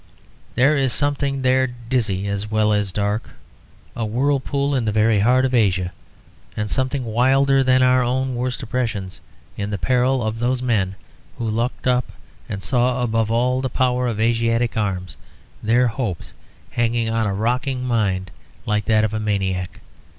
There is something there dizzy as well as dark, a whirlpool in the very heart of Asia; and something wilder than our own worst oppressions in the peril of those men who looked up and saw above all the power of Asiatic arms, their hopes hanging on a rocking mind like that of a maniac.